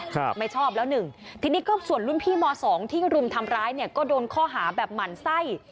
ครับไม่ชอบแล้วหนึ่งทีนี้ก็ส่วนรุ่นพี่มสองที่รุมทำร้ายเนี่ยก็โดนข้อหาแบบหมั่นไส้